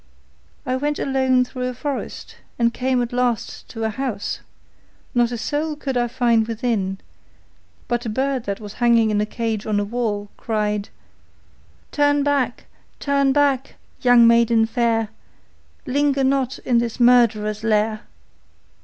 'I went alone through a forest and came at last to a house; not a soul could I find within, but a bird that was hanging in a cage on the wall cried: 'Turn back, turn back, young maiden fair, Linger not in this murderers' lair.